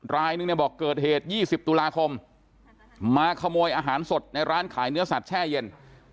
รายนึงเนี่ยบอกเกิดเหตุ๒๐ตุลาคมมาขโมยอาหารสดในร้านขายเนื้อสัตวแช่เย็น